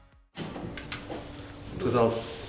お疲れさまです。